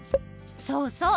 そうそう！